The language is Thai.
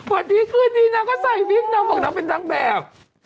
วันนี้คืนนี้น้องก็ใส่วิกบอกเป็นนางแบบ